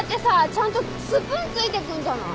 ちゃんとスプーンついてくんじゃない。